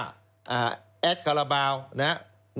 แอดคาราบาลนะครับ